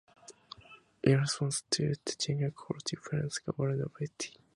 In response to the General Court's defiance, Governor Francis Bernard dissolved the assembly.